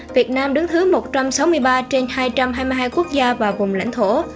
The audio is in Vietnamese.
việt nam đứng thứ một trăm sáu mươi ba trên hai trăm hai mươi hai quốc gia và vùng lãnh thổ